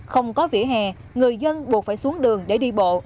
không có vỉa hè người dân buộc phải xuống đường để đi bộ